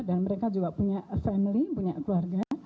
dan mereka juga punya family punya keluarga